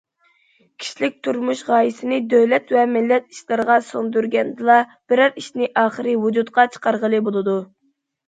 كىشىلىك تۇرمۇش غايىسىنى دۆلەت ۋە مىللەت ئىشلىرىغا سىڭدۈرگەندىلا، بىرەر ئىشنى ئاخىرى ۋۇجۇدقا چىقارغىلى بولىدۇ.